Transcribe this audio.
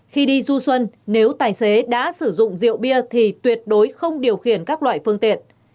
khi đi du xuân nếu tài xế đã sử dụng rượu bia thì tuyệt đối không điều khiển các loại phương tiện